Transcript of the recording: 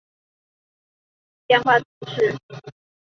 巴里讷后帕涅人口变化图示